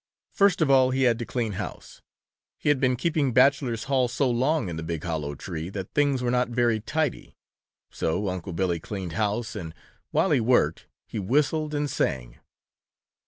First of all he had to clean house. He had been keeping bachelor's hall so long in the big hollow tree that things were not very tidy. So Unc' Billy cleaned house, and while he worked he whistled and sang.